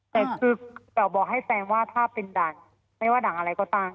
แต่คือเราบอกให้แฟนว่าถ้าเป็นด่างไม่ว่าด่างอะไรก็ตาม